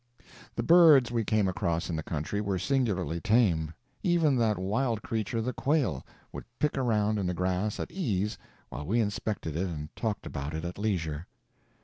The birds we came across in the country were singularly tame; even that wild creature, the quail, would pick around in the grass at ease while we inspected it and talked about it at leisure.